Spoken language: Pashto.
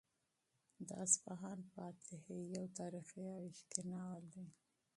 د اصفهان فاتح یو تاریخي او عشقي ناول دی.